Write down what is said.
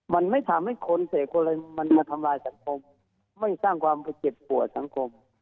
มันไม่ทำให้คนเสพคนอะไรมันมาทำลายสังคมไม่สร้างความเจ็บปวดสังคม